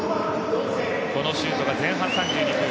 このシュートが前半３２分